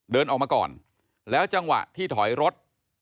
เดินออกมาก่อนแล้วจังหวะที่ถอยรถ